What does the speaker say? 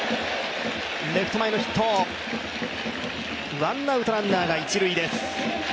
ワンアウトランナーが一塁です。